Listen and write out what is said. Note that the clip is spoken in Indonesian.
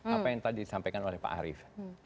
apa yang tadi disampaikan oleh pak arief